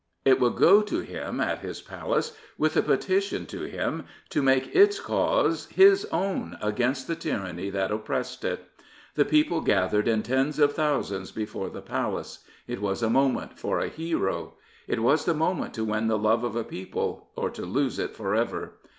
It would go to him at his Palace with a petition to him to make its cause his own against the tyranny that oppressed it. The people gathered in tens of thousands before the Palace. It was the moment for a hero. It was the moment to win the love of a people or to lose it for ever.